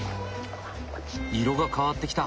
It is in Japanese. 色が変わってきた。